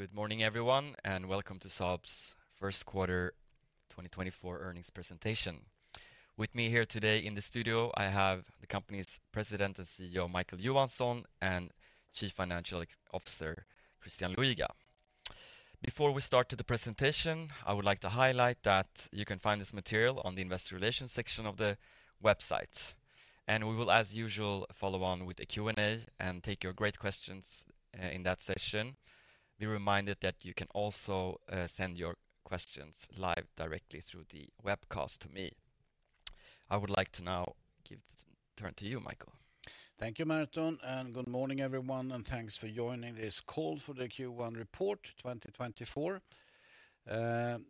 Good morning, everyone, and welcome to Saab's first quarter 2024 earnings presentation. With me here today in the studio, I have the company's President and CEO, Micael Johansson, and Chief Financial Officer, Christian Luiga. Before we start to the presentation, I would like to highlight that you can find this material on the Investor Relations section of the website. We will, as usual, follow on with a Q&A and take your great questions in that session. Be reminded that you can also send your questions live directly through the webcast to me. I would like to now give the turn to you, Micael. Thank you, Merton, and good morning, everyone, and thanks for joining this call for the Q1 report 2024.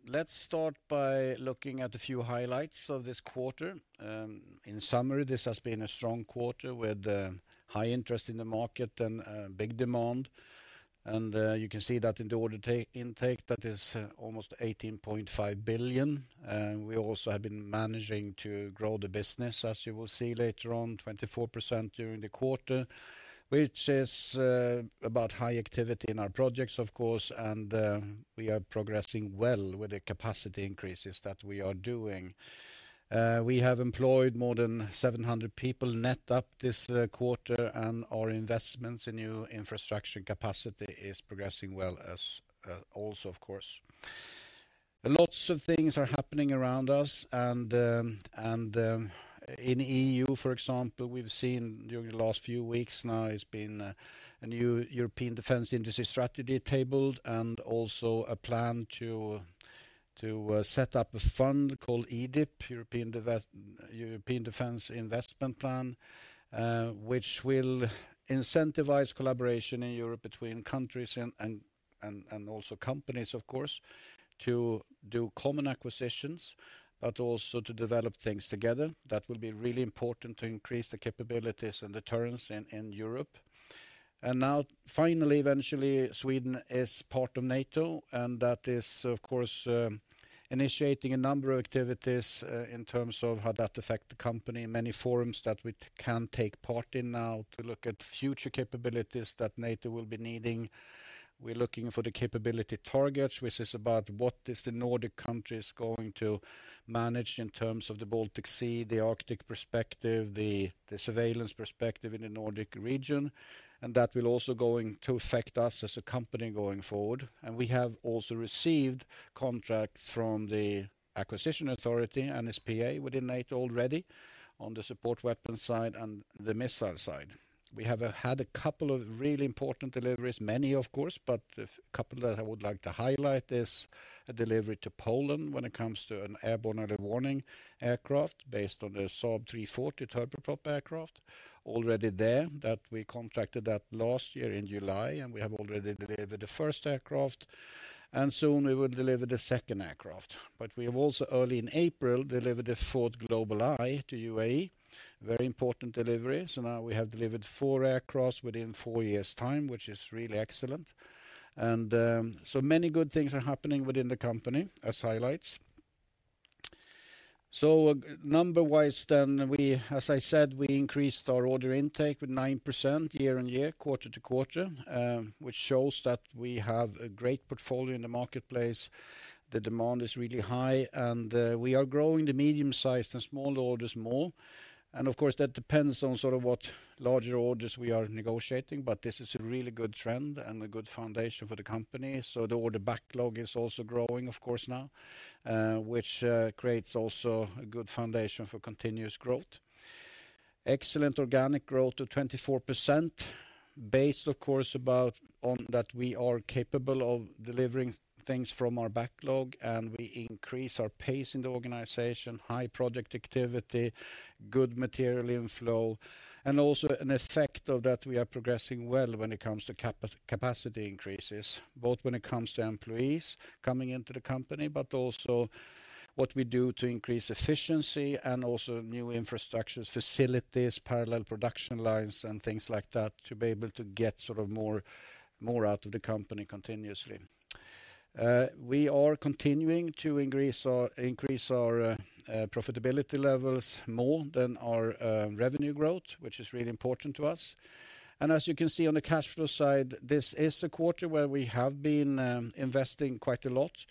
Let's start by looking at a few highlights of this quarter. In summary, this has been a strong quarter with high interest in the market and big demand. And you can see that in the order intake, that is, almost 18.5 billion. We also have been managing to grow the business, as you will see later on, 24% during the quarter, which is about high activity in our projects, of course, and we are progressing well with the capacity increases that we are doing. We have employed more than 700 people net up this quarter, and our investments in new infrastructure and capacity is progressing well as also, of course. Lots of things are happening around us, and, and, in EU, for example, we've seen during the last few weeks now, it's been, a new European Defence Industry Strategy tabled and also a plan to, to, set up a fund called EDIP, European Defence Investment Plan, which will incentivize collaboration in Europe between countries and, and, and, and also companies, of course, to do common acquisitions, but also to develop things together. That will be really important to increase the capabilities and deterrence in, in Europe. And now, finally, eventually, Sweden is part of NATO, and that is, of course, initiating a number of activities, in terms of how that affect the company, many forums that we can take part in now to look at future capabilities that NATO will be needing. We're looking for the capability targets, which is about what is the Nordic countries going to manage in terms of the Baltic Sea, the Arctic perspective, the surveillance perspective in the Nordic region, and that will also going to affect us as a company going forward. And we have also received contracts from the acquisition authority, NSPA, within NATO already on the support weapons side and the missile side. We have had a couple of really important deliveries, many, of course, but a couple that I would like to highlight is a delivery to Poland when it comes to an airborne early warning aircraft based on the Saab 340 turboprop aircraft. Already there, that we contracted that last year in July, and we have already delivered the first aircraft, and soon we will deliver the second aircraft. But we have also, early in April, delivered a 4th GlobalEye to UAE, very important delivery. So now we have delivered four aircraft within four years' time, which is really excellent. And, so many good things are happening within the company as highlights. So number-wise then, we, as I said, we increased our order intake with 9% YoY, QoQ, which shows that we have a great portfolio in the marketplace. The demand is really high, and, we are growing the medium-sized and small orders more. And of course, that depends on sort of what larger orders we are negotiating, but this is a really good trend and a good foundation for the company. So the order backlog is also growing, of course, now, which, creates also a good foundation for continuous growth. Excellent organic growth to 24%, based, of course, about on that we are capable of delivering things from our backlog, and we increase our pace in the organization, high project activity, good material inflow, and also an effect of that, we are progressing well when it comes to capacity increases, both when it comes to employees coming into the company, but also what we do to increase efficiency and also new infrastructure, facilities, parallel production lines, and things like that, to be able to get sort of more, more out of the company continuously. We are continuing to increase our, increase our, profitability levels more than our revenue growth, which is really important to us. As you can see on the cash flow side, this is a quarter where we have been investing quite a lot.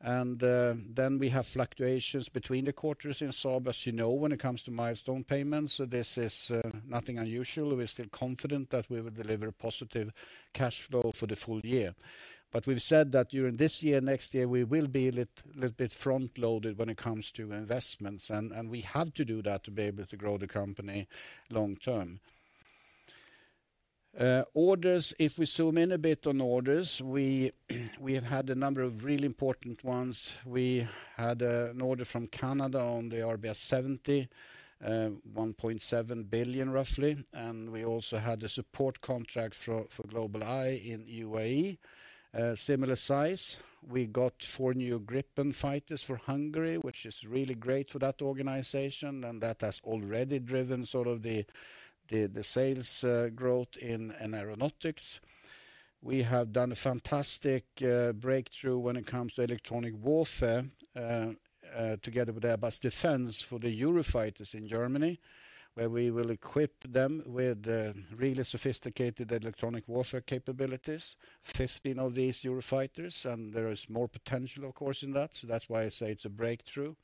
Then we have fluctuations between the quarters in Saab, as you know, when it comes to milestone payments. So this is nothing unusual. We're still confident that we will deliver positive cash flow for the full year. But we've said that during this year, next year, we will be a little bit front-loaded when it comes to investments, and we have to do that to be able to grow the company long term. Orders, if we zoom in a bit on orders, we have had a number of really important ones. We had an order from Canada on the RBS 70, 1.7 billion, roughly. And we also had a support contract for GlobalEye in UAE, similar size. We got four new Gripen fighters for Hungary, which is really great for that organization, and that has already driven sort of the sales growth in Aeronautics. We have done a fantastic breakthrough when it comes to electronic warfare together with Airbus Defence for the Eurofighters in Germany, where we will equip them with really sophisticated electronic warfare capabilities, 15 of these Eurofighters, and there is more potential, of course, in that. So that's why I say it's a breakthrough.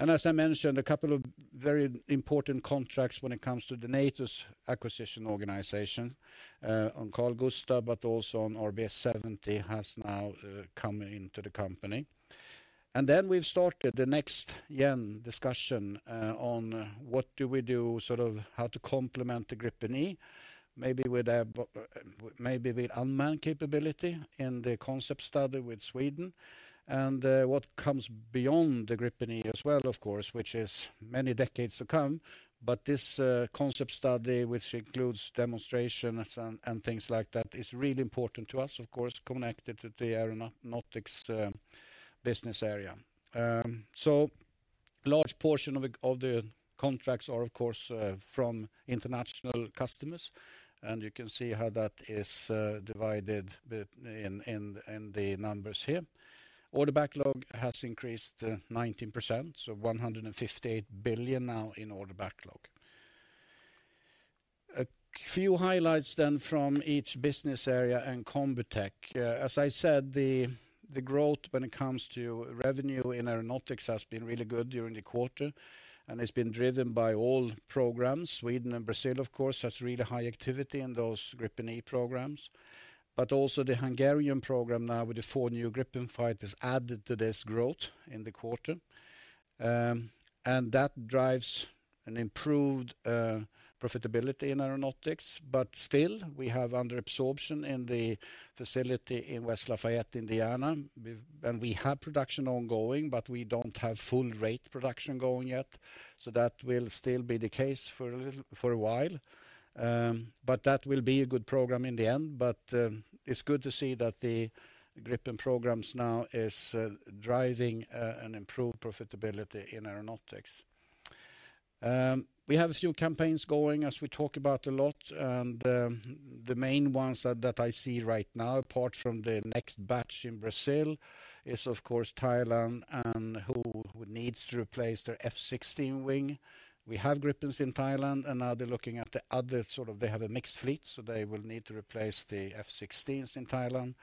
And as I mentioned, a couple of very important contracts when it comes to the NATO's acquisition organization on Carl-Gustaf, but also on RBS 70, has now come into the company. And then we've started the next gen discussion on what do we do, sort of how to complement the Gripen E, maybe with a, maybe with unmanned capability in the concept study with Sweden, and what comes beyond the Gripen E as well, of course, which is many decades to come. But this concept study, which includes demonstrations and things like that, is really important to us, of course, connected to the Aeronautics business area. So large portion of the contracts are, of course, from international customers, and you can see how that is divided in the numbers here. Order backlog has increased 19%, so 158 billion now in order backlog. A few highlights then from each business area and Combitech. As I said, the growth when it comes to revenue in Aeronautics has been really good during the quarter, and it's been driven by all programs. Sweden and Brazil, of course, has really high activity in those Gripen E programs, but also the Hungarian program now with the four new Gripen fighters added to this growth in the quarter. And that drives an improved profitability in Aeronautics, but still, we have under absorption in the facility in West Lafayette, Indiana. And we have production ongoing, but we don't have full rate production going yet, so that will still be the case for a little, for a while. But that will be a good program in the end, but it's good to see that the Gripen programs now is driving an improved profitability in Aeronautics. We have a few campaigns going, as we talk about a lot, and the main ones that I see right now, apart from the next batch in Brazil, is, of course, Thailand and who needs to replace their F-16 wing. We have Gripens in Thailand, and now they're looking at the other sort of... They have a mixed fleet, so they will need to replace the F-16s in Thailand,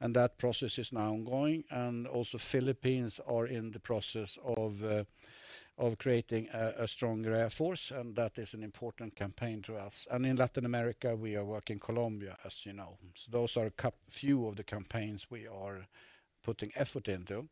and that process is now ongoing. Also, Philippines are in the process of creating a stronger air force, and that is an important campaign to us. In Latin America, we are working Colombia, as you know. So those are a few of the campaigns we are putting effort into.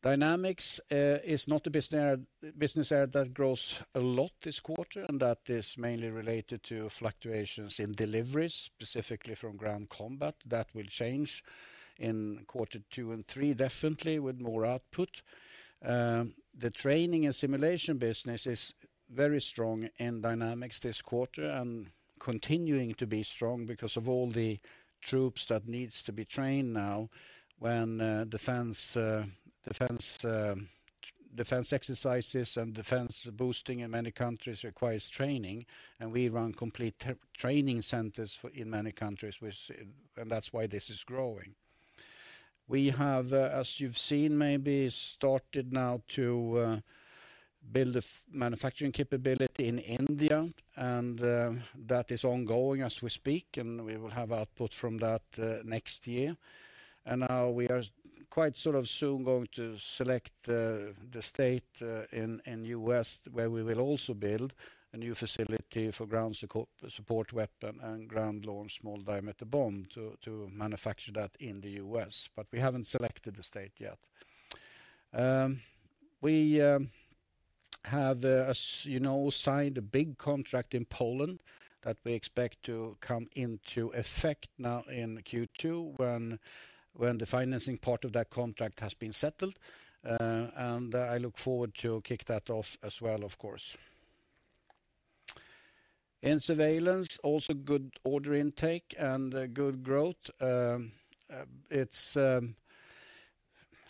Dynamics is not a business area that grows a lot this quarter, and that is mainly related to fluctuations in deliveries, specifically from ground combat. That will change in quarter two and three, definitely with more output. The training and simulation business is very strong in Dynamics this quarter, and continuing to be strong because of all the troops that needs to be trained now when defense exercises and defense boosting in many countries requires training, and we run complete training centers in many countries, and that's why this is growing. We have, as you've seen, maybe started now to build a manufacturing capability in India, and that is ongoing as we speak, and we will have output from that next year. Now we are quite sort of soon going to select the state in the U.S., where we will also build a new facility for ground support weapon and Ground-Launched Small Diameter Bomb, to manufacture that in the U.S., but we haven't selected the state yet. We have, as you know, signed a big contract in Poland that we expect to come into effect now in Q2, when the financing part of that contract has been settled, and I look forward to kick that off as well, of course. In Surveillance, also good order intake and good growth. It's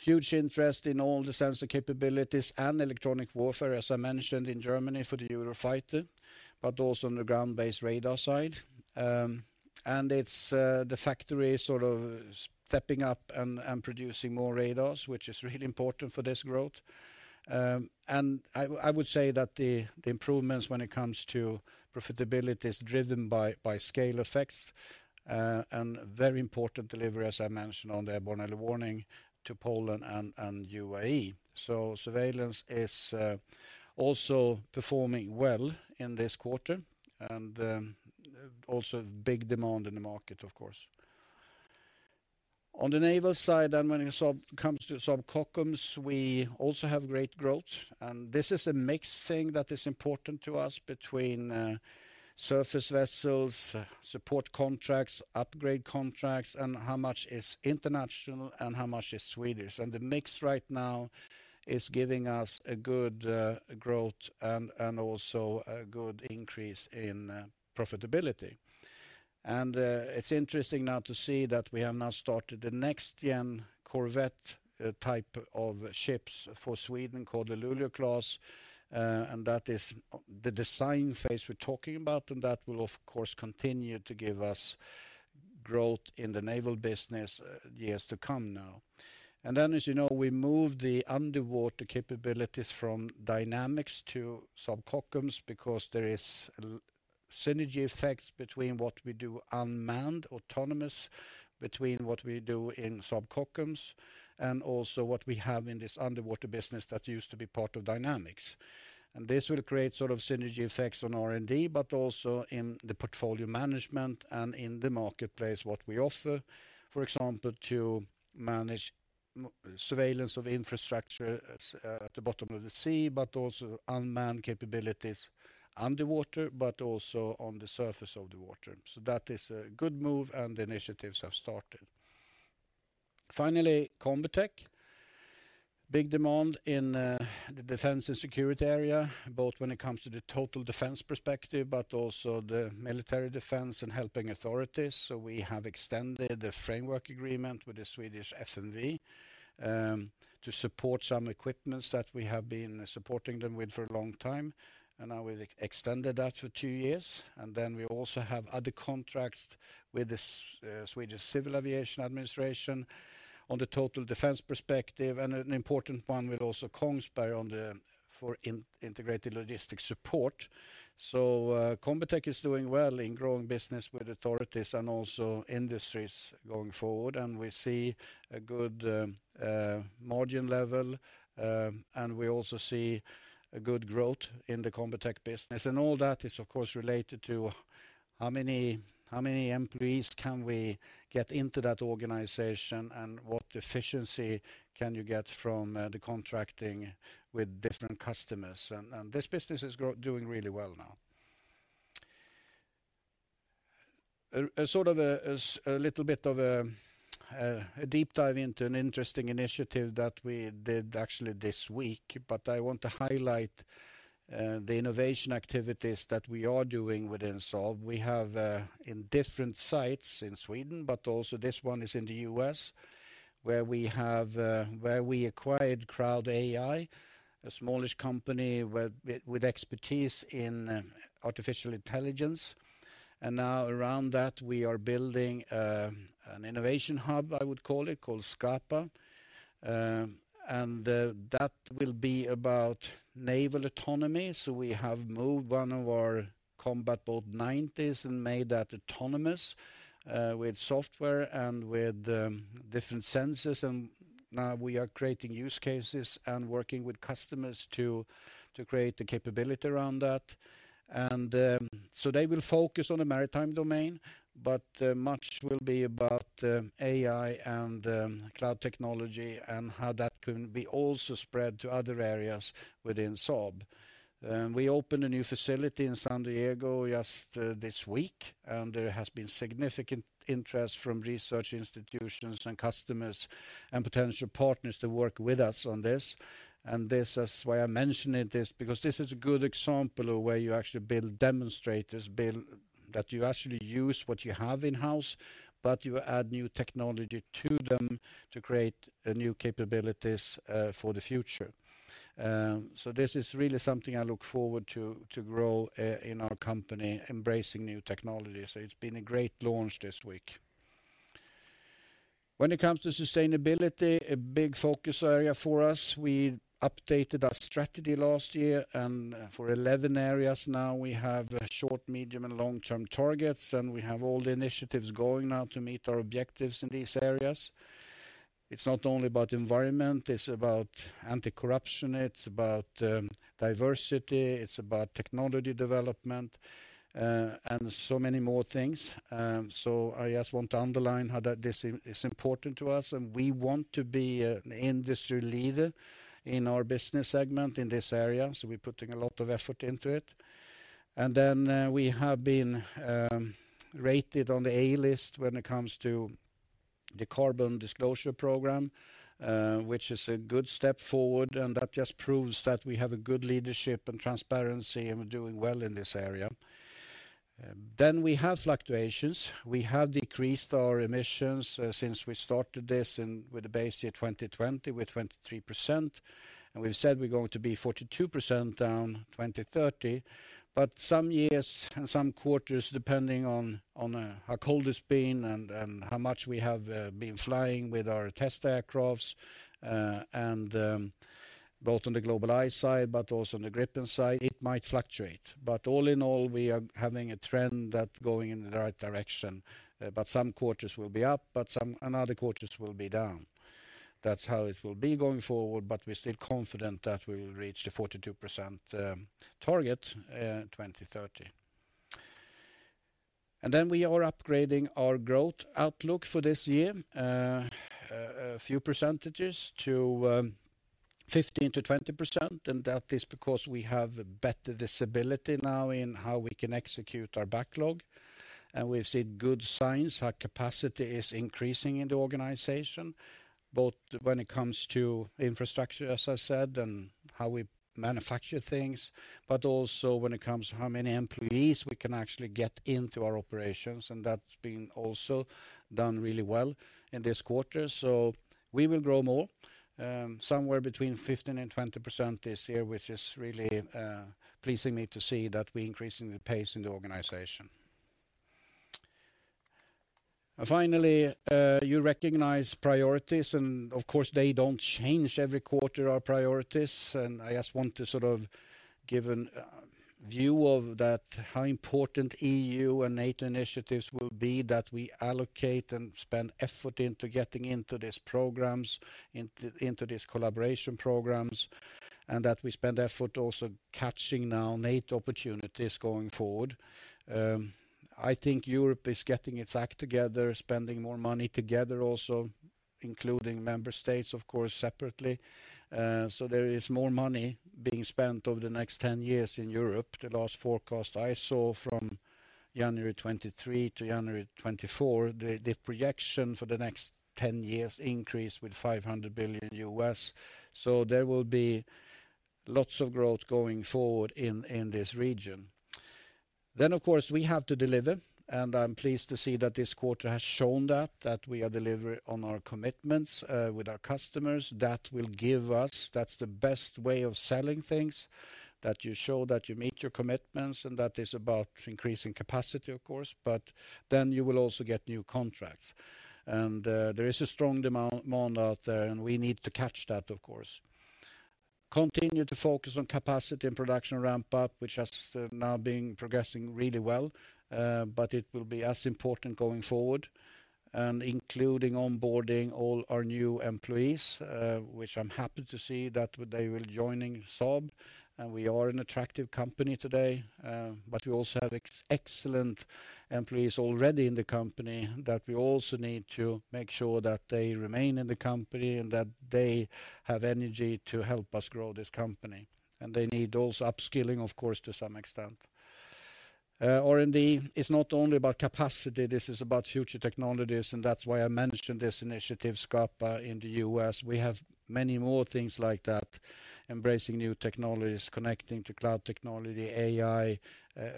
huge interest in all the sensor capabilities and electronic warfare, as I mentioned, in Germany for the Eurofighter, but also on the ground-based radar side. And it's the factory sort of stepping up and producing more radars, which is really important for this growth. And I would say that the improvements when it comes to profitability is driven by scale effects and very important delivery, as I mentioned, on the airborne early warning to Poland and UAE. So Surveillance is also performing well in this quarter, and also big demand in the market, of course. On the naval side, and when it comes to Saab Kockums, we also have great growth, and this is a mixed thing that is important to us between surface vessels, support contracts, upgrade contracts, and how much is international and how much is Swedish. And the mix right now is giving us a good growth and also a good increase in profitability. It's interesting now to see that we have now started the next gen corvette type of ships for Sweden called the Luleå-class, and that is the design phase we're talking about, and that will, of course, continue to give us growth in the naval business years to come now. Then, as you know, we moved the underwater capabilities from Dynamics to Saab Kockums because there is synergy effects between what we do unmanned, autonomous, between what we do in Saab Kockums, and also what we have in this underwater business that used to be part of Dynamics. This will create sort of synergy effects on R&D, but also in the portfolio management and in the marketplace what we offer, for example, to manage maritime surveillance of infrastructure at the bottom of the sea, but also unmanned capabilities underwater, but also on the surface of the water. That is a good move, and initiatives have started. Finally, Combitech. Big demand in the defense and security area, both when it comes to the total defense perspective, but also the military defense and helping authorities. We have extended the framework agreement with the Swedish FMV to support some equipment that we have been supporting them with for a long time, and now we've extended that for two years. Then we also have other contracts with the Swedish Civil Aviation Administration on the total defense perspective, and an important one with also Kongsberg on the for integrated logistic support. So, Combitech is doing well in growing business with authorities and also industries going forward, and we see a good margin level, and we also see a good growth in the Combitech business. And all that is, of course, related to how many employees can we get into that organization, and what efficiency can you get from the contracting with different customers. And this business is doing really well now. A sort of a little bit of a deep dive into an interesting initiative that we did actually this week, but I want to highlight the innovation activities that we are doing within Saab. We have in different sites in Sweden, but also this one is in the U.S., where we acquired CrowdAI, a smallish company with expertise in artificial intelligence. And now around that, we are building an innovation hub, I would call it, called Skapa. And that will be about naval autonomy. So we have moved one of our Combat Boat 90s and made that autonomous with software and with different sensors, and now we are creating use cases and working with customers to create the capability around that. They will focus on the maritime domain, but much will be about AI and cloud technology, and how that can be also spread to other areas within Saab. We opened a new facility in San Diego just this week, and there has been significant interest from research institutions and customers and potential partners to work with us on this. And this is why I'm mentioning this, because this is a good example of where you actually build demonstrators, that you actually use what you have in-house, but you add new technology to them to create new capabilities for the future. So this is really something I look forward to grow in our company, embracing new technology. So it's been a great launch this week. When it comes to sustainability, a big focus area for us. We updated our strategy last year, and for 11 areas now, we have short, medium, and long-term targets, and we have all the initiatives going now to meet our objectives in these areas. It's not only about environment, it's about anti-corruption, it's about diversity, it's about technology development, and so many more things. So I just want to underline how that this is important to us, and we want to be an industry leader in our business segment in this area, so we're putting a lot of effort into it. And then we have been rated on the A List when it comes to the Carbon Disclosure Program, which is a good step forward, and that just proves that we have a good leadership and transparency, and we're doing well in this area. Then we have fluctuations. We have decreased our emissions, since we started this in, with the base year 2020, with 23%, and we've said we're going to be 42% down 2030. But some years and some quarters, depending on, on, how cold it's been and, and how much we have, been flying with our test aircrafts, and, both on the GlobalEye side, but also on the Gripen side, it might fluctuate. But all in all, we are having a trend that going in the right direction, but some quarters will be up, but some, and other quarters will be down. That's how it will be going forward, but we're still confident that we will reach the 42%, target, 2030. And then we are upgrading our growth outlook for this year. A few percentages to 15%-20%, and that is because we have a better visibility now in how we can execute our backlog. And we've seen good signs. Our capacity is increasing in the organization, both when it comes to infrastructure, as I said, and how we manufacture things, but also when it comes to how many employees we can actually get into our operations, and that's been also done really well in this quarter. So we will grow more, somewhere between 15% and 20% this year, which is really pleasing me to see that we're increasing the pace in the organization. And finally, you recognize priorities, and of course, they don't change every quarter, our priorities. I just want to sort of give a view of that, how important EU and NATO initiatives will be, that we allocate and spend effort into getting into these programs, into these collaboration programs, and that we spend effort also catching now NATO opportunities going forward. I think Europe is getting its act together, spending more money together also, including member states, of course, separately. So there is more money being spent over the next 10 years in Europe. The last forecast I saw from January 2023 to January 2024, the projection for the next 10 years increased with $500 billion. So there will be lots of growth going forward in this region. Then, of course, we have to deliver, and I'm pleased to see that this quarter has shown that, that we are delivering on our commitments with our customers. That will give us. That's the best way of selling things, that you show that you meet your commitments, and that is about increasing capacity, of course. But then you will also get new contracts. And there is a strong demand out there, and we need to catch that, of course. Continue to focus on capacity and production ramp-up, which has now been progressing really well, but it will be as important going forward, and including onboarding all our new employees, which I'm happy to see that they will joining Saab. We are an attractive company today, but we also have excellent employees already in the company, that we also need to make sure that they remain in the company and that they have energy to help us grow this company. They need also upskilling, of course, to some extent. R&D is not only about capacity, this is about future technologies, and that's why I mentioned this initiative, Skapa, in the US. We have many more things like that, embracing new technologies, connecting to cloud technology, AI,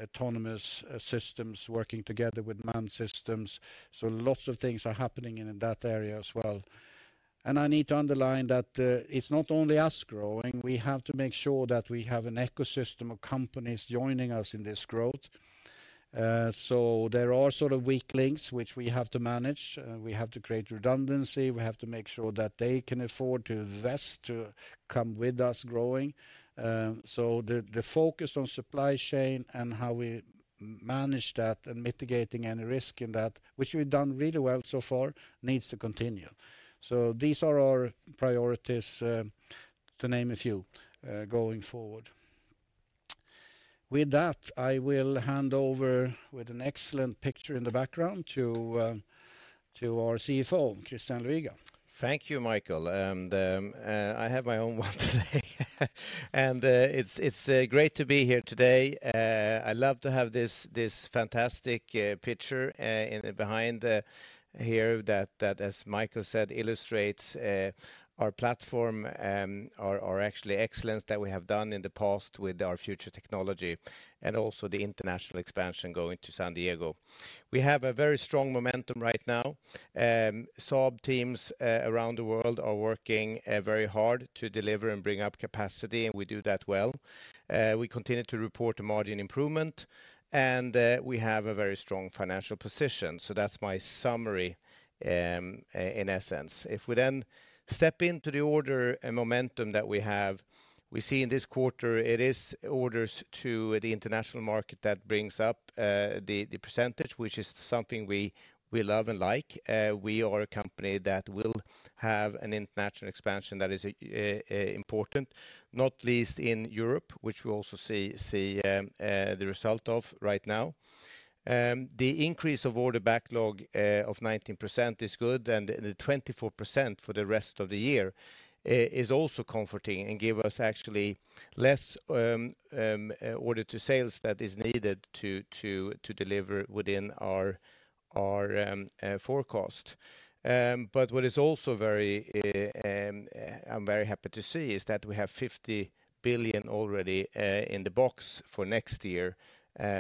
autonomous, systems, working together with manned systems. So lots of things are happening in that area as well. I need to underline that, it's not only us growing. We have to make sure that we have an ecosystem of companies joining us in this growth. So there are sort of weak links which we have to manage, we have to create redundancy, we have to make sure that they can afford to invest to come with us growing. So the focus on supply chain and how we manage that and mitigating any risk in that, which we've done really well so far, needs to continue. So these are our priorities, to name a few, going forward. With that, I will hand over, with an excellent picture in the background, to our CFO, Christian Luiga. Thank you, Micael, and I have my own one today. It's great to be here today. I love to have this fantastic picture behind here that, as Micael said, illustrates our platform, our actually excellence that we have done in the past with our future technology, and also the international expansion going to San Diego. We have a very strong momentum right now. Saab teams around the world are working very hard to deliver and bring up capacity, and we do that well. We continue to report a margin improvement, and we have a very strong financial position. So that's my summary in essence. If we then step into the order and momentum that we have, we see in this quarter, it is orders to the international market that brings up the percentage, which is something we love and like. We are a company that will have an international expansion that is important, not least in Europe, which we also see the result of right now. The increase of order backlog of 19% is good, and the 24% for the rest of the year is also comforting and give us actually less order to sales that is needed to deliver within our forecast. But what is also very, I'm very happy to see, is that we have 50 billion already in the box for next year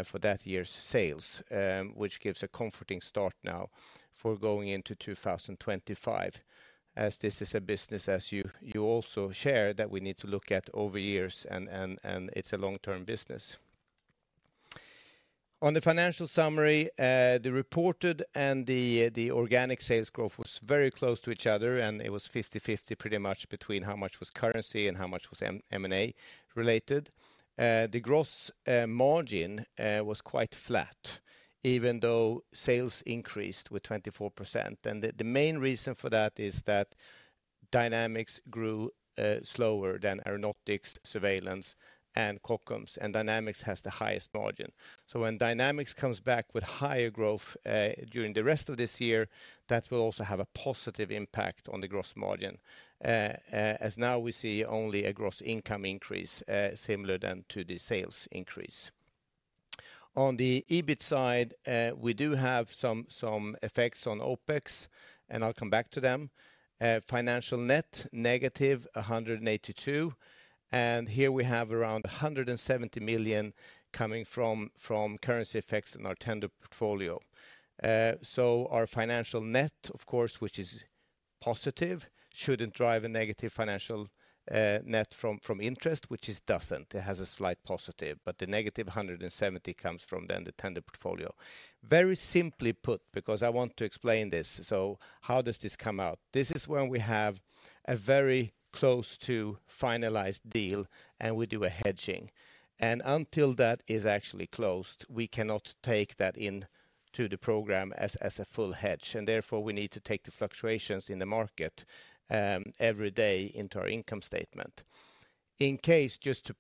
for that year's sales, which gives a comforting start now for going into 2025, as this is a business, as you also share, that we need to look at over years, and it's a long-term business. On the financial summary, the reported and the organic sales growth was very close to each other, and it was 50/50, pretty much, between how much was currency and how much was M&A related. The gross margin was quite flat, even though sales increased with 24%. The main reason for that is that Dynamics grew slower than Aeronautics, Surveillance, and Kockums, and Dynamics has the highest margin. So when Dynamics comes back with higher growth, during the rest of this year, that will also have a positive impact on the gross margin. As now we see only a gross income increase, similar than to the sales increase. On the EBIT side, we do have some effects on OpEx, and I'll come back to them. Financial net, negative 182 million, and here we have around 170 million coming from currency effects in our tender portfolio. So our financial net, of course, positive shouldn't drive a negative financial net from interest, which it doesn't. It has a slight positive, but the negative 170 comes from then the tender portfolio. Very simply put, because I want to explain this, so how does this come out? This is when we have a very close to finalized deal, and we do a hedging. And until that is actually closed, we cannot take that into the program as a full hedge, and therefore, we need to take the fluctuations in the market every day into our income statement. In case, just to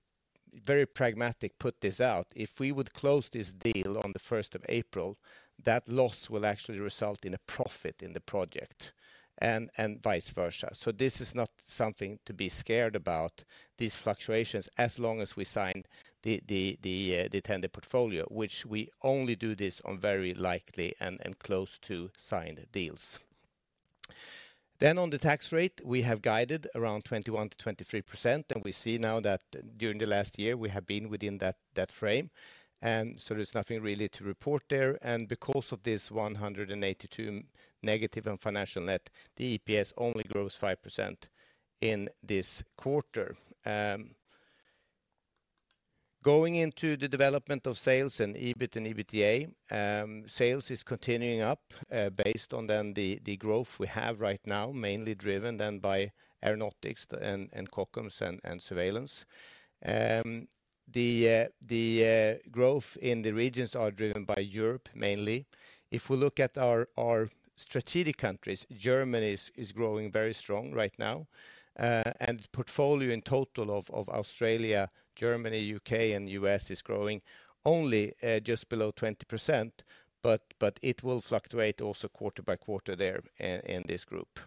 very pragmatically put this out, if we would close this deal on the first of April, that loss will actually result in a profit in the project, and vice versa. So this is not something to be scared about, these fluctuations, as long as we sign the tender portfolio, which we only do this on very likely and close to signed deals. Then on the tax rate, we have guided around 21%-23%, and we see now that during the last year we have been within that, that frame. So there's nothing really to report there. And because of this -182 negative on financial net, the EPS only grows 5% in this quarter. Going into the development of sales and EBIT and EBITDA, sales is continuing up, based on the growth we have right now, mainly driven then by Aeronautics and Kockums and surveillance. The growth in the regions are driven by Europe, mainly. If we look at our strategic countries, Germany is growing very strong right now. And portfolio in total of, of Australia, Germany, UK, and US is growing only, just below 20%, but, but it will fluctuate also quarter by quarter there in this group.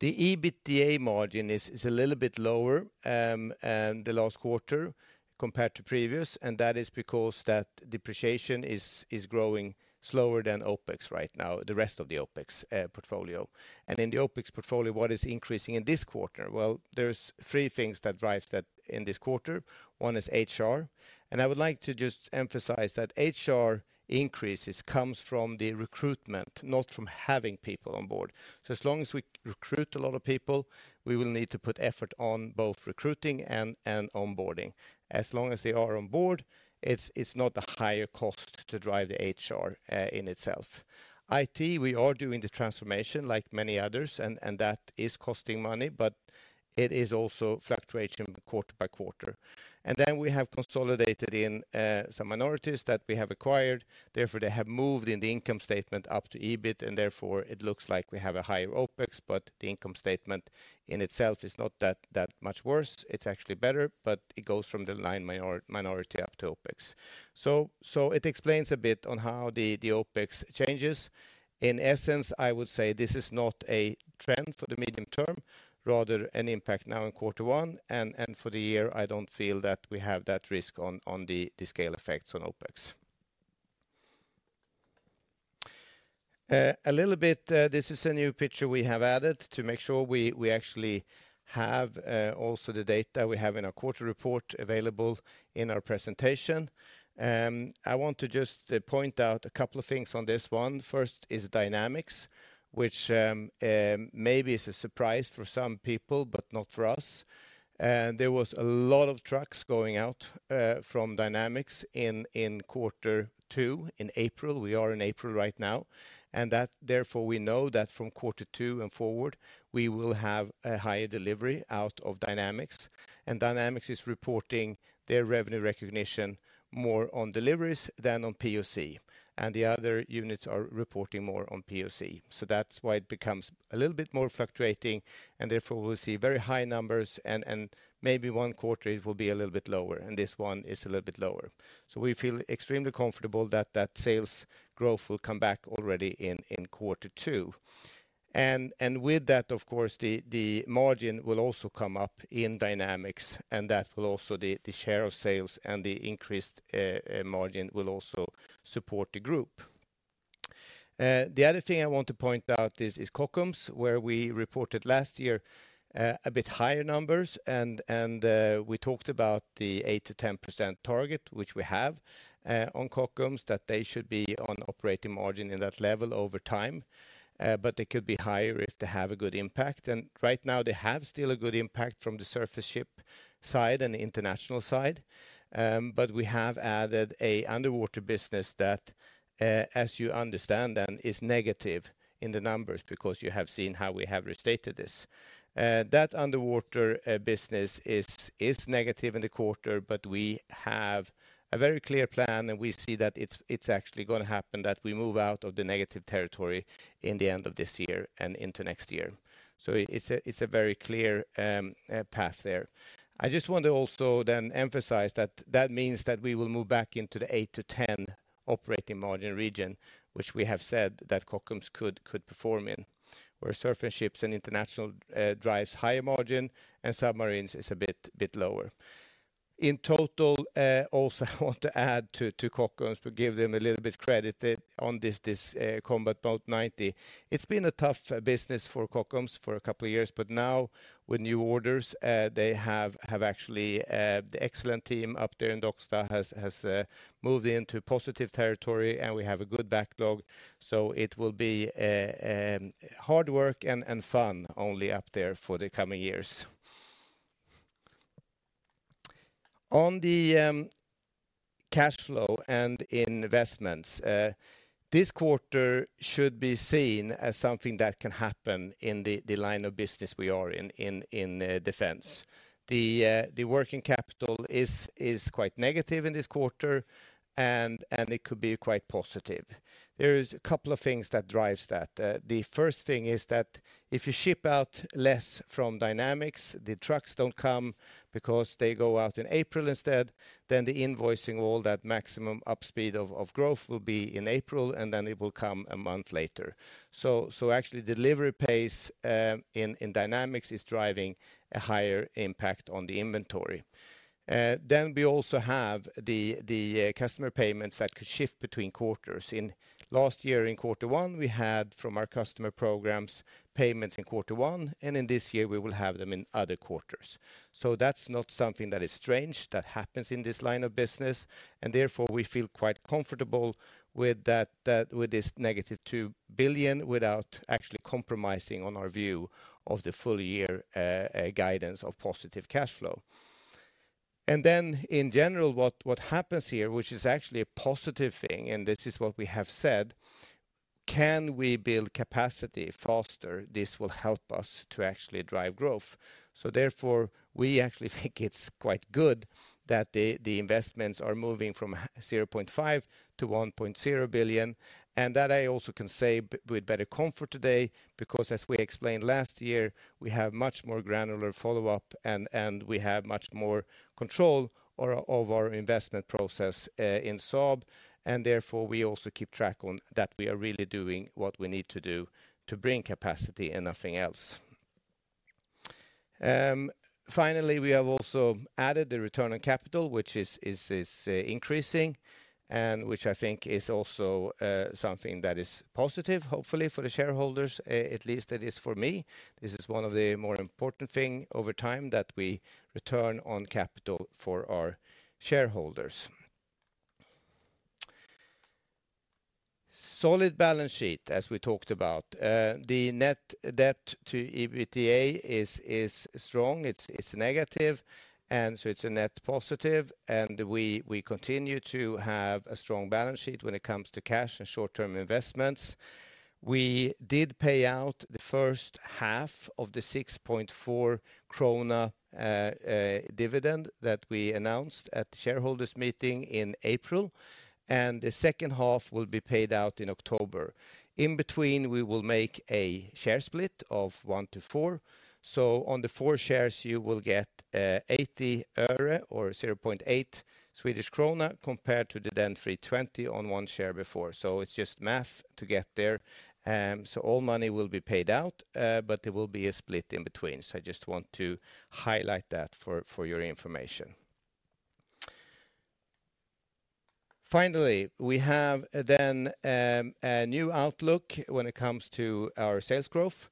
The EBITDA margin is, is a little bit lower, than the last quarter compared to previous, and that is because that depreciation is, is growing slower than OpEx right now, the rest of the OpEx, portfolio. And in the OpEx portfolio, what is increasing in this quarter? Well, there's three things that drives that in this quarter. One is HR, and I would like to just emphasize that HR increases comes from the recruitment, not from having people on board. So as long as we recruit a lot of people, we will need to put effort on both recruiting and, and onboarding. As long as they are on board, it's not a higher cost to drive the HR in itself. IT, we are doing the transformation like many others, and that is costing money, but it is also fluctuating quarter by quarter. And then we have consolidated in some minorities that we have acquired. Therefore, they have moved in the income statement up to EBIT, and therefore, it looks like we have a higher OpEx, but the income statement in itself is not that much worse. It's actually better, but it goes from the line minority up to OpEx. So it explains a bit on how the OpEx changes. In essence, I would say this is not a trend for the medium term, rather an impact now in quarter one, and for the year, I don't feel that we have that risk on the scale effects on OpEx. A little bit, this is a new picture we have added to make sure we actually have also the data we have in our quarter report available in our presentation. I want to just point out a couple of things on this one. First is Dynamics, which maybe is a surprise for some people, but not for us. There was a lot of trucks going out from Dynamics in quarter two, in April. We are in April right now, and that therefore, we know that from quarter two and forward, we will have a higher delivery out of Dynamics. And Dynamics is reporting their revenue recognition more on deliveries than on POC, and the other units are reporting more on POC. So that's why it becomes a little bit more fluctuating, and therefore, we'll see very high numbers and maybe one quarter it will be a little bit lower, and this one is a little bit lower. So we feel extremely comfortable that that sales growth will come back already in quarter two. And with that, of course, the margin will also come up in Dynamics, and that will also the share of sales and the increased margin will also support the group. The other thing I want to point out is Kockums, where we reported last year a bit higher numbers, and we talked about the 8%-10% target, which we have on Kockums, that they should be on operating margin in that level over time, but they could be higher if they have a good impact. Right now, they have still a good impact from the surface ship side and the international side. But we have added a underwater business that, as you understand then, is negative in the numbers because you have seen how we have restated this. That underwater business is negative in the quarter, but we have a very clear plan, and we see that it's actually gonna happen, that we move out of the negative territory in the end of this year and into next year. So it's a very clear path there. I just want to also then emphasize that that means that we will move back into the 8%-10% operating margin region, which we have said that Kockums could perform in, where surface ships and international drives higher margin and submarines is a bit lower. In total, also, I want to add to Kockums to give them a little bit credit on this Combat Boat 90. It's been a tough business for Kockums for a couple of years, but now with new orders, they have actually the excellent team up there in Docksta has moved into positive territory, and we have a good backlog, so it will be hard work and fun only up there for the coming years. On the cash flow and investments, this quarter should be seen as something that can happen in the line of business we are in, in defense. The working capital is quite negative in this quarter, and it could be quite positive. There is a couple of things that drives that. The first thing is that if you ship out less from Dynamics, the trucks don't come because they go out in April instead, then the invoicing, all that maximum up speed of growth will be in April, and then it will come a month later. So, actually, delivery pace in Dynamics is driving a higher impact on the inventory. Then we also have the customer payments that could shift between quarters. In last year, in quarter one, we had, from our customer programs, payments in quarter one, and in this year, we will have them in other quarters. So that's not something that is strange. That happens in this line of business, and therefore, we feel quite comfortable with that, that with this negative 2 billion, without actually compromising on our view of the full year guidance of positive cash flow. And then, in general, what happens here, which is actually a positive thing, and this is what we have said: Can we build capacity faster? This will help us to actually drive growth. So therefore, we actually think it's quite good that the investments are moving from 0.5 - 1.0 billion, and that I also can say with better comfort today, because as we explained last year, we have much more granular follow-up, and we have much more control of our investment process in Saab, and therefore, we also keep track on that we are really doing what we need to do to bring capacity and nothing else. Finally, we have also added the return on capital, which is increasing, and which I think is also something that is positive, hopefully, for the shareholders, at least it is for me. This is one of the more important thing over time, that we return on capital for our shareholders. Solid balance sheet, as we talked about. The net debt to EBITDA is strong, it's negative, and so it's a net positive, and we continue to have a strong balance sheet when it comes to cash and short-term investments. We did pay out the first half of the 6.4 krona dividend that we announced at the shareholders' meeting in April, and the second half will be paid out in October. In between, we will make a share split of one to four. So on the four shares, you will get 80 öre or 0.8 Swedish krona, compared to the then 3.20 SEK on one share before. So it's just math to get there. So all money will be paid out, but there will be a split in between. So I just want to highlight that for your information. Finally, we have then a new outlook when it comes to our sales growth.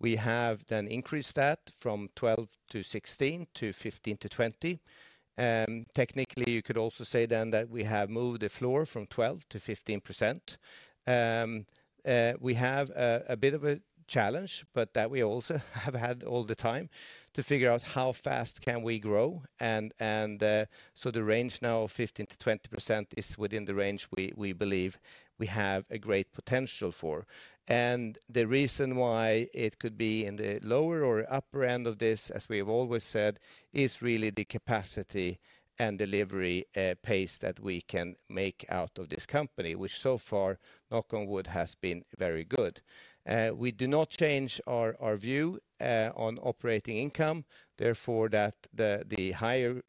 We have then increased that from 12-16 to 15-20. Technically, you could also say then that we have moved the floor from 12%-15%. We have a bit of a challenge, but that we also have had all the time to figure out how fast can we grow, and so the range now of 15%-20% is within the range we believe we have a great potential for. And the reason why it could be in the lower or upper end of this, as we have always said, is really the capacity and delivery pace that we can make out of this company, which so far, knock on wood, has been very good. We do not change our view on operating income; therefore, the higher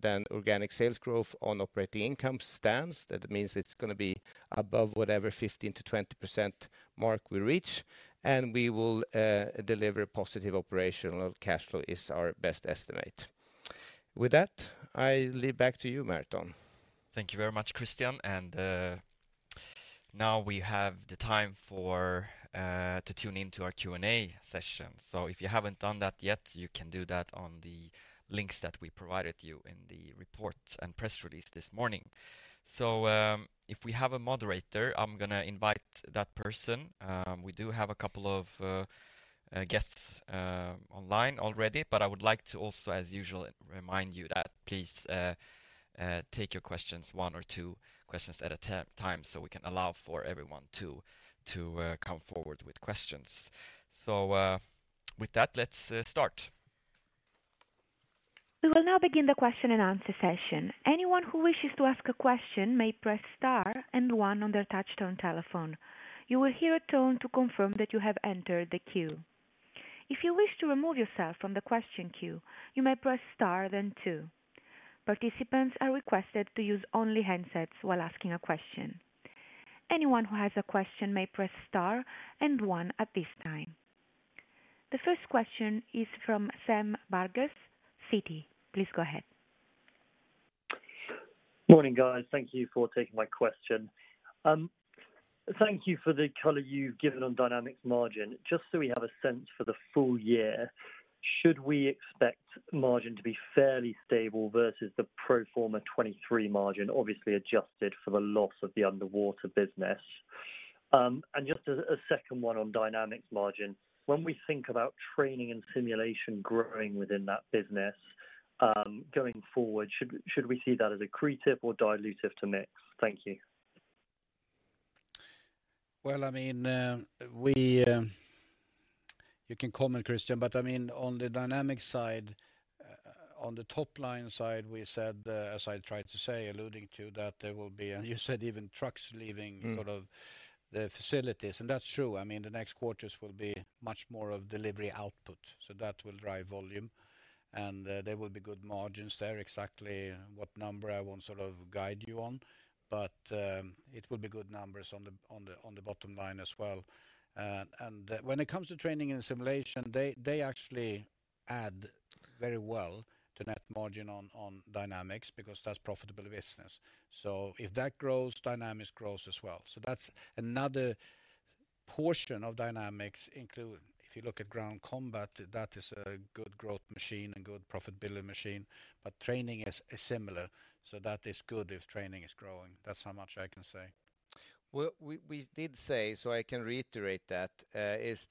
than organic sales growth on operating income stands. That means it's gonna be above whatever 15%-20% mark we reach, and we will deliver positive operational cash flow is our best estimate. With that, I leave back to you, Merton. Thank you very much, Christian, and, now we have the time for, to tune in to our Q&A session. So if you haven't done that yet, you can do that on the links that we provided you in the report and press release this morning. So, if we have a moderator, I'm gonna invite that person. We do have a couple of, guests, online already, but I would like to also, as usual, remind you that please, take your questions, one or two questions at a time, so we can allow for everyone to, come forward with questions. So, with that, let's start. We will now begin the question and answer session. Anyone who wishes to ask a question may press star and one on their touchtone telephone. You will hear a tone to confirm that you have entered the queue. If you wish to remove yourself from the question queue, you may press star, then two. Participants are requested to use only handsets while asking a question. Anyone who has a question may press star and one at this time. The first question is from Sam Burgess, Citi. Please go ahead. Morning, guys. Thank you for taking my question. Thank you for the color you've given on Dynamics margin. Just so we have a sense for the full year, should we expect margin to be fairly stable versus the pro forma 2023 margin, obviously adjusted for the loss of the underwater business?... and just a second one on Dynamics margin. When we think about training and simulation growing within that business, going forward, should we see that as accretive or dilutive to mix? Thank you. Well, I mean, we, you can comment, Christian, but I mean, on the Dynamics side, on the top line side, we said, as I tried to say, alluding to that, there will be—and you said even trucks leaving— Mm-hmm Sort of the facilities, and that's true. I mean, the next quarters will be much more of delivery output, so that will drive volume, and there will be good margins there. Exactly what number I won't sort of guide you on, but it will be good numbers on the bottom line as well. And when it comes to training and simulation, they actually add very well to net margin on Dynamics because that's profitable business. So if that grows, Dynamics grows as well. So that's another portion of Dynamics includes, if you look at Ground Combat, that is a good growth machine, a good profitability machine, but training is similar, so that is good if training is growing. That's how much I can say. Well, we did say, so I can reiterate that, and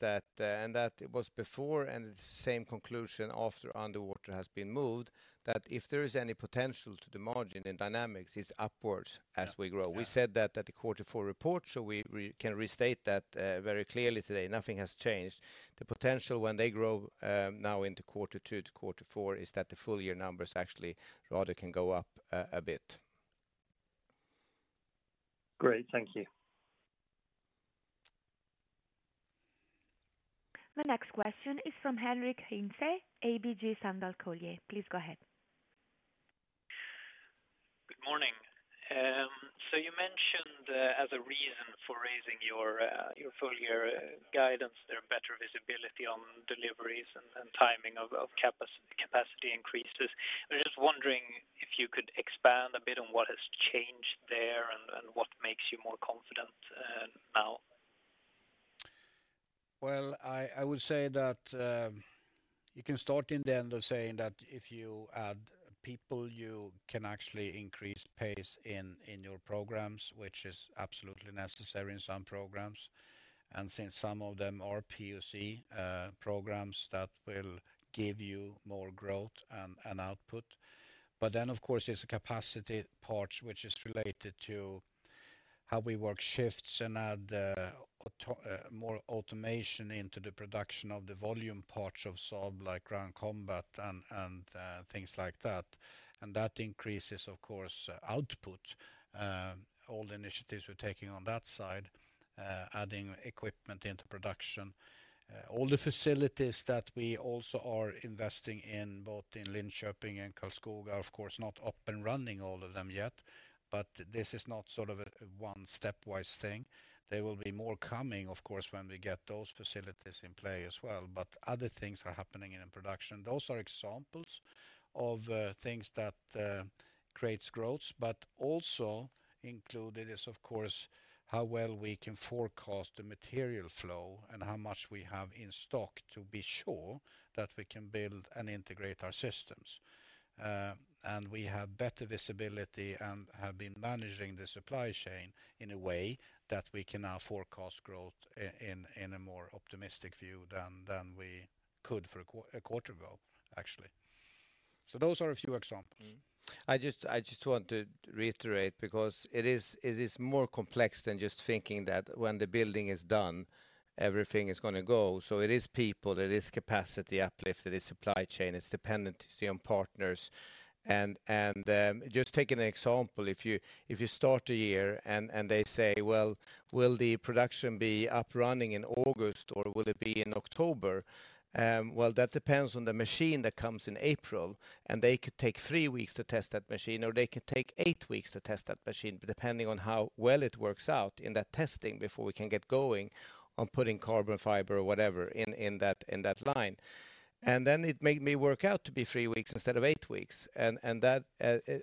that it was before, and it's the same conclusion after underwater has been moved, that if there is any potential to the margin in Dynamics, it's upwards as we grow. Yeah. We said that at the quarter four report, so we, we can restate that very clearly today, nothing has changed. The potential when they grow now into quarter two to quarter four is that the full year numbers actually rather can go up a bit. Great. Thank you. The next question is from Henric Hintze, ABG Sundal Collier. Please go ahead. Good morning. So you mentioned, as a reason for raising your full year guidance there, better visibility on deliveries and timing of capacity increases. I'm just wondering if you could expand a bit on what has changed there and what makes you more confident now? Well, I would say that you can start in the end of saying that if you add people, you can actually increase pace in your programs, which is absolutely necessary in some programs. And since some of them are POC programs, that will give you more growth and output. But then, of course, there's a capacity part which is related to how we work shifts and add more automation into the production of the volume parts of Saab, like ground combat and things like that. And that increases, of course, output. All the initiatives we're taking on that side, adding equipment into production. All the facilities that we also are investing in, both in Linköping and Karlskoga, are, of course, not up and running, all of them yet, but this is not sort of a one stepwise thing. There will be more coming, of course, when we get those facilities in play as well, but other things are happening in production. Those are examples of things that creates growth, but also included is, of course, how well we can forecast the material flow and how much we have in stock to be sure that we can build and integrate our systems. And we have better visibility and have been managing the supply chain in a way that we can now forecast growth in a more optimistic view than we could for a quarter ago, actually. So those are a few examples. Mm-hmm. I just, I just want to reiterate, because it is, it is more complex than just thinking that when the building is done, everything is gonna go. So it is people, it is capacity uplift, it is supply chain, it's dependency on partners. And, and, just taking an example, if you, if you start a year and, and they say: Well, will the production be up running in August, or will it be in October? Well, that depends on the machine that comes in April, and they could take three weeks to test that machine, or they could take eight weeks to test that machine, depending on how well it works out in that testing before we can get going on putting carbon fiber or whatever in, in that, in that line. And then it may, may work out to be three weeks instead of eight weeks. And that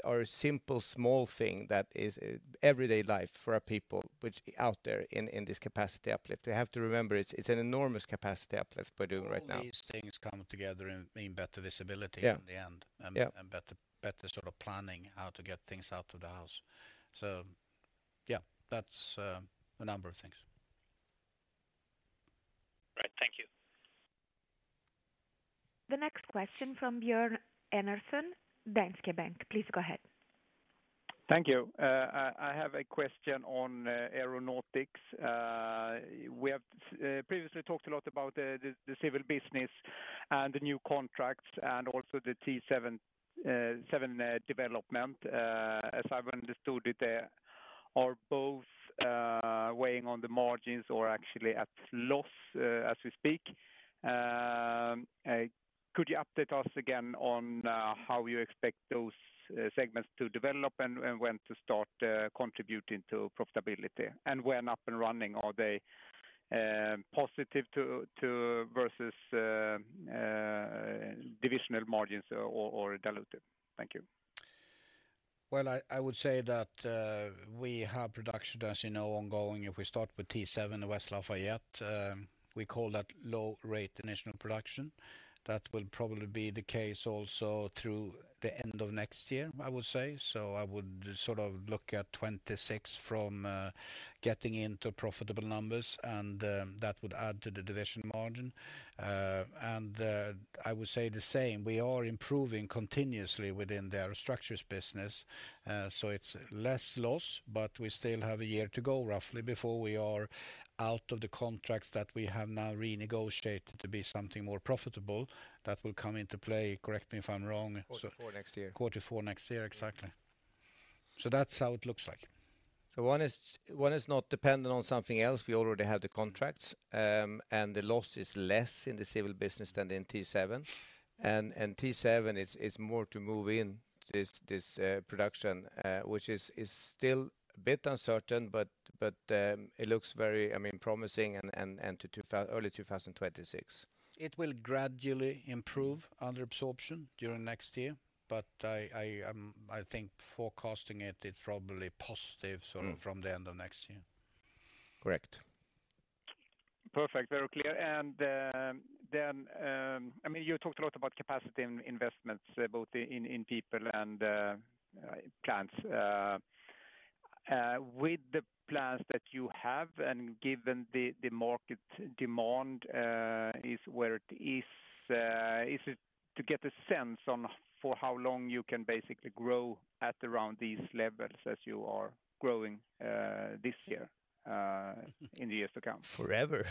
are a simple, small thing that is everyday life for our people, which out there in this capacity uplift. We have to remember, it's an enormous capacity uplift we're doing right now. All these things come together and mean better visibility- Yeah in the end. Yeah. And better sort of planning how to get things out to the house. So yeah, that's a number of things. Great. Thank you. The next question from Björn Enarson, Danske Bank. Please go ahead. Thank you. I have a question on Aeronautics. We have previously talked a lot about the civil business and the new contracts and also the T-7 development. As I've understood it, they are both weighing on the margins or actually at loss as we speak. Could you update us again on how you expect those segments to develop and when to start contributing to profitability? And when up and running, are they positive to versus divisional margins or diluted? Thank you. ...Well, I would say that we have production, as you know, ongoing. If we start with T-7, the West Lafayette, we call that low rate initial production. That will probably be the case also through the end of next year, I would say. So I would sort of look at 2026 from getting into profitable numbers, and that would add to the division margin. And I would say the same, we are improving continuously within the structures business. So it's less loss, but we still have a year to go, roughly, before we are out of the contracts that we have now renegotiated to be something more profitable. That will come into play, correct me if I'm wrong- Quarter four next year. Quarter four next year, exactly. So that's how it looks like. So one is not dependent on something else. We already have the contracts, and the loss is less in the civil business than in T-7. And T-7 is more to move in this production, which is still a bit uncertain, but it looks very, I mean, promising and early 2026. It will gradually improve under absorption during next year, but I think forecasting it, it's probably positive- Mm. So from the end of next year. Correct. Perfect, very clear. And then, I mean, you talked a lot about capacity and investments, both in people and plants. With the plans that you have, and given the market demand is where it is, is it to get a sense on for how long you can basically grow at around these levels as you are growing this year, in the years to come? Forever.